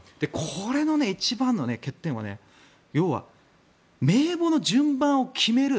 これの一番の欠点は要は名簿の順番を決める